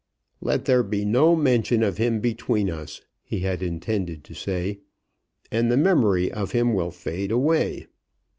"Let there be no mention of him between us," he had intended to say, "and the memory of him will fade away."